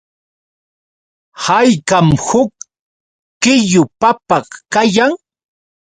¿Haykam huk kiilu papa kayan?